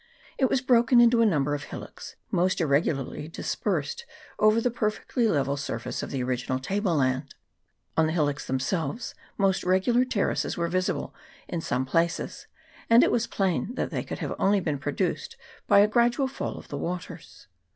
It was broken into a number of hillocks, most irre gularly dispersed over the perfectly level surface of the original table land. On the hillocks them selves most regular terraces were visible in some places, and it was plain that they could have only been produced by a gradual fall of the waters.